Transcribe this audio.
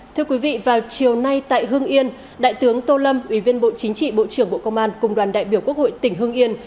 thưa quý vị vào chiều nay tại hương yên đại tướng tô lâm ủy viên bộ chính trị bộ trưởng bộ công an cùng đoàn đại biểu quốc hội tỉnh hương yên